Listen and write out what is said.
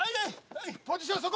ポジションそこ。